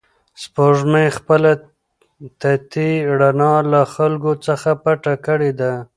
سپوږمۍ خپله تتې رڼا له خلکو څخه پټه کړې ده.